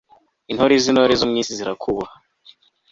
Intore zintore zo mwisi zirakwubaha